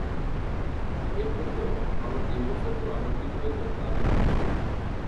আর এমনেতেও, আমার ডিভোর্সের পর আমার কী প্রয়োজন তা আমি জানি।